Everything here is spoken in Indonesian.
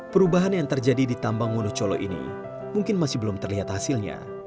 perubahan yang terjadi di tambang wonocolo ini mungkin masih belum terlihat hasilnya